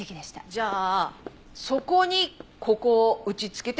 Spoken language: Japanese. じゃあそこにここを打ちつけて死亡した。